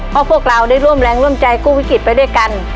เพราะพวกเราได้ร่วมแรงร่วมใจกู้วิกฤตไปด้วยกัน